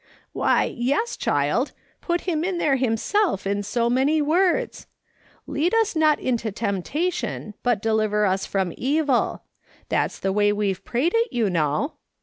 Why, yes, child, put him there himself in so many words :' Lead us not into temptation, but deliver us from evil ;' that's the way we've prayed it, you know.